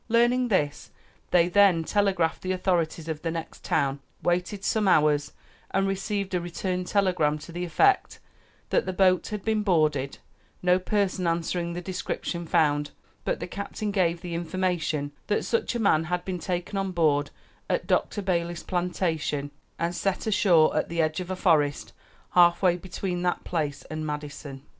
Learning this they then telegraphed the authorities of the next town; waited some hours, and received a return telegram to the effect that the boat had been boarded, no person answering the description found; but the captain gave the information that such a man had been taken on board at Dr. Balis' plantation, and set ashore at the edge of a forest half way between that place and Madison.